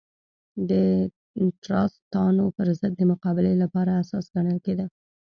د ټراستانو پر ضد د مقابلې لپاره اساس ګڼل کېده.